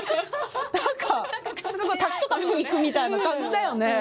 なんか滝とか見に行くみたいな感じだよね雰囲気ね。